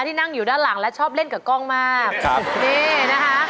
นั่งอยู่ด้านหลังและชอบเล่นกับกล้องมากครับนี่นะคะ